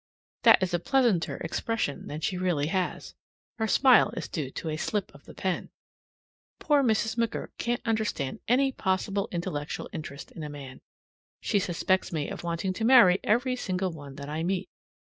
That is a pleasanter expression than she really has. Her smile is due to a slip of the pen. Poor Mrs. McGurk can't understand any possible intellectual interest in a man. She suspects me of wanting to marry every single one that I meet.